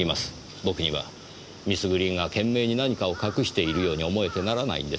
僕にはミス・グリーンが懸命に何かを隠しているように思えてならないんですよ。